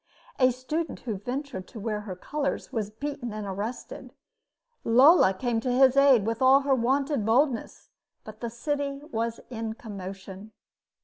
A student who ventured to wear her colors was beaten and arrested. Lola came to his aid with all her wonted boldness; but the city was in commotion.